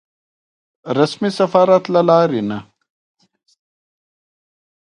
رسمي سفارت له لارې نه.